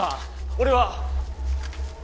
俺は。